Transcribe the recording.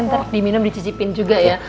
ntar diminum dicicipin juga ya